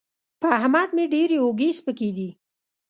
په احمد مې ډېرې اوږې سپکې دي.